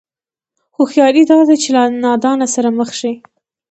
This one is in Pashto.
هوښياري دا ده چې له نادانه سره مخ شي.